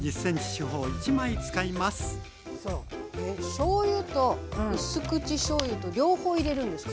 しょうゆと薄口しょうゆと両方入れるんですか？